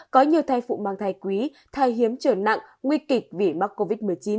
có nhiều thai phụ mang thai quý thai hiếm trở nặng nguy kịch vì mắc covid một mươi chín